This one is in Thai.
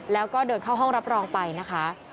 แล้วก็เดินเข้าห้องรับรองไปนะคะ